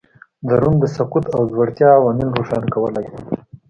د روم د سقوط او ځوړتیا عوامل روښانه کولای شو